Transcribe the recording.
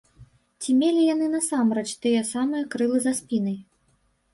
Ці мелі яны насамрэч тыя самыя крылы за спінай?